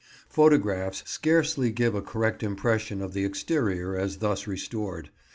Photographs scarcely give a correct impression of the exterior as thus restored.